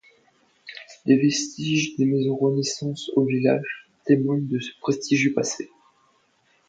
Les vestiges des maisons Renaissance au village, témoignent de ce prestigieux passé.